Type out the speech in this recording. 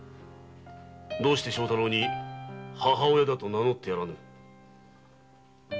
どうして「母親」だと名乗ってやらぬ？